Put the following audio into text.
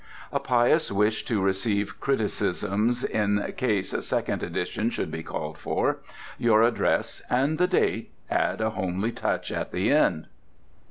A pious wish to receive criticisms "in case a second edition should be called for"; your address, and the date, add a homely touch at the end.